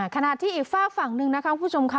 ขณะที่อีกฝากฝั่งหนึ่งนะคะคุณผู้ชมค่ะ